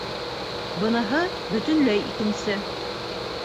Быныһы бөтөнләй икенсе